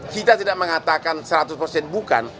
kita tidak mengatakan seratus persen bukan